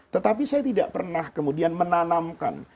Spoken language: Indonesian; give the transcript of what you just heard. tetapi saya tidak pernah kemudian menanamkan